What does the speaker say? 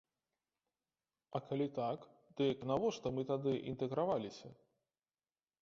А калі так, дык навошта мы тады інтэграваліся?